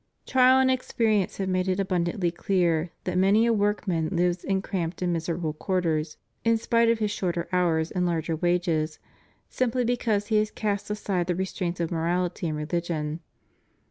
Trial and experience have made it abundantly clear that many a workman lives in cramped and miserable quarters, in spite of his shorter hours and larger wages, simply because he has cast aside the restraints of morality and religion.